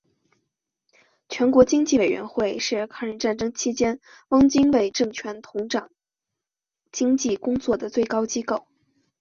全国经济委员会是抗日战争期间汪精卫政权统掌经济工作的最高机构。